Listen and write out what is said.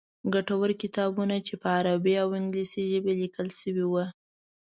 ګټور کتابونه چې په عربي او انګلیسي ژبې لیکل شوي ول.